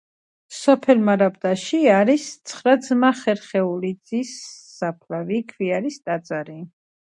მიუხედავად ამისა, ქალაქში ენა პოპულარულია.